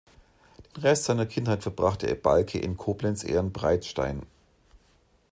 Den Rest seiner Kindheit verbrachte Balke in Koblenz-Ehrenbreitstein.